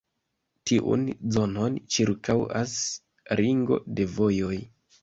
Tiun zonon ĉirkaŭas ringo de vojoj.